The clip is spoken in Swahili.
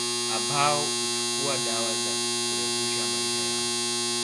Ambao huchukua dawa za kurefusha maisha yao